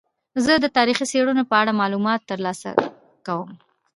زه د تاریخي څیړنو په اړه معلومات ترلاسه کوم.